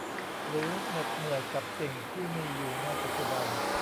หรือเหน็ดเหนื่อยกับสิ่งที่มีอยู่ในปัจจุบัน